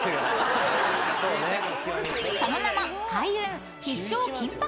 ［その名も］